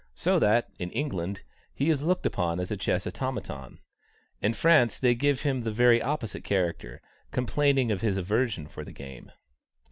So that, in England, he is looked upon as a chess automaton. In France they give him the very opposite character, complaining of his aversion for the game.